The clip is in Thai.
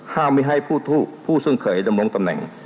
ไม่ให้ผู้ซึ่งเคยดำรงตำแหน่ง